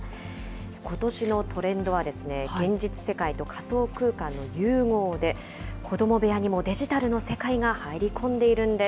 ことしのトレンドは現実世界と仮想空間の融合で、子ども部屋にもデジタルの世界が入り込んでいるんです。